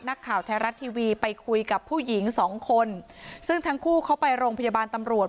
นักข่าวไทยรัฐทีวีไปคุยกับผู้หญิงสองคนซึ่งทั้งคู่เขาไปโรงพยาบาลตำรวจ